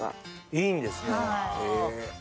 いいんですか。